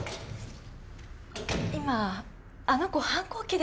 今あの子反抗期で。